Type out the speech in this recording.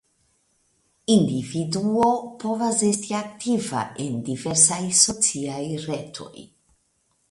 Individuo povas esti aktiva en diversaj sociaj retoj.